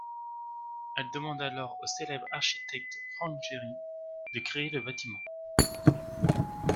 Elle demande alors au célèbre architecte Frank Gehry de créer le bâtiment.